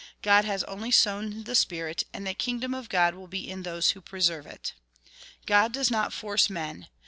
God has only sown the spirit, and the kingdom of God will be in those who pre serve it. God does not force men.